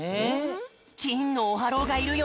きんのオハローがいるよね？